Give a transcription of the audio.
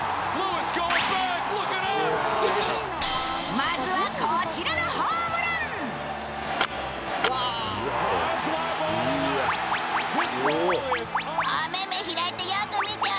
まずはこちらのホームラン「お